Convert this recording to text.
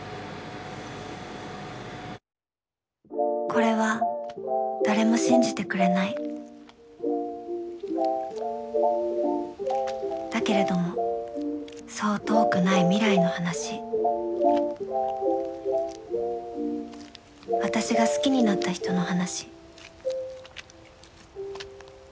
これは誰も信じてくれないだけれどもそう遠くない未来の話私が好きになった人の話